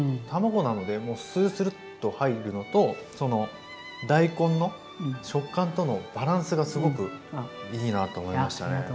卵なのでもうスルスルッと入るのとその大根の食感とのバランスがすごくいいなと思いましたね。